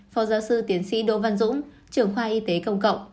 phó giáo sư tiến sĩ đỗ văn dũng trưởng khoa y tế công cộng